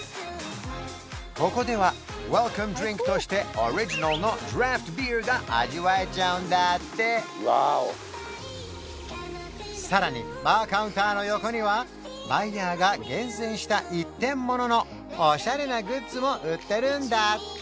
ここではウェルカムドリンクとしてオリジナルのドラフトビールが味わえちゃうんだってさらにバーカウンターの横にはバイヤーが厳選した一点物のオシャレなグッズも売ってるんだって！